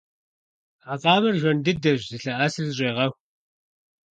А къамэр жан дыдэщ, зылъэӀэсыр зэщӀегъэху.